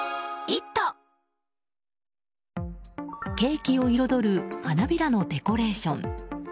ケーキを彩る花びらのデコレーション。